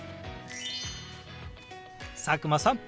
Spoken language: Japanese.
佐久間さん